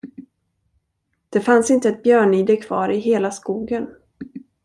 Det fanns inte ett björnide kvar i hela skogen.